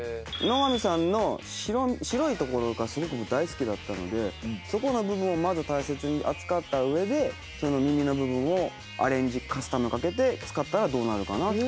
乃が美さんの白いところがすごく大好きだったのでそこの部分をまず大切に扱った上で耳の部分をアレンジカスタムかけて使ったらどうなるかな。